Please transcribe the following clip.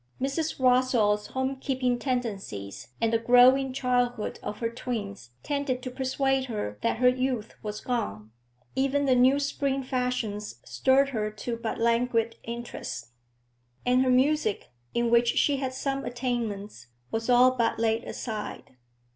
Mrs. Rossall's homekeeping tendencies and the growing childhood of her twins tended to persuade her that her youth was gone; even the new spring fashions stirred her to but languid interest, and her music, in which she had some attainments, was all but laid aside.